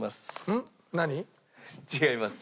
違います。